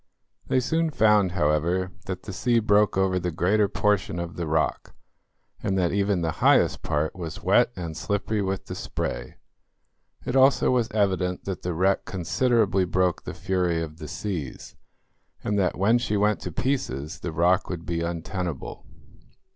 They soon found, however, that the sea broke over the greater portion of the rock, and that even the highest part was wet and slippery with the spray. It also was evident that the wreck considerably broke the fury of the seas, and that when she went to pieces the rock would be untenable.